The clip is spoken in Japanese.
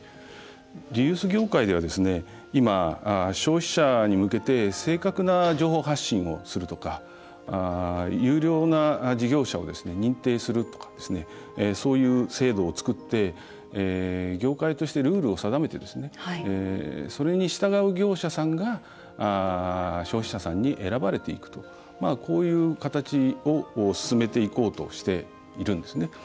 リユース業界では今、消費者に向けて正確な情報発信をするとか優良な事業者を認定するとかそういう制度を作って業界としてルールを定めてそれに従う業者さんが消費者さんに選ばれていくというこういう形を進めていこうとしているんですね。